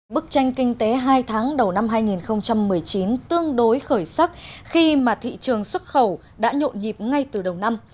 bức tranh kinh tế hai tháng đầu năm hai nghìn một mươi chín tương đối khởi sắc khi mà thị trường xuất khẩu đã nhộn nhịp ngay từ đầu năm